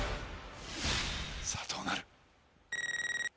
さぁどうなる？